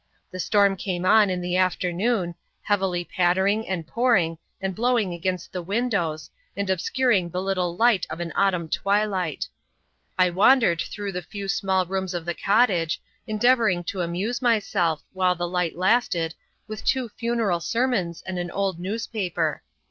The storm came on in the afternoon, heavily pattering, and pouring, and blowing against the windows, and obscuring the little light of an autumn twilight. I wandered through the few small rooms of the cottage, endeavoring to amuse myself, while the light lasted, with two funeral sermons and an old newspaper.